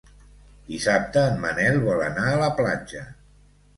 Dissabte en Manel vol anar a la platja.